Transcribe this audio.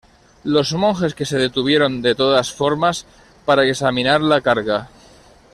Los monjes que se detuvieron de todas formas para examinar la carga.